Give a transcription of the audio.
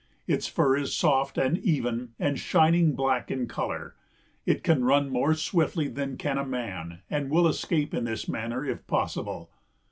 Its fur is soft and even and shining black in color. It can run more swiftly than can a man and will escape in this manner if possible.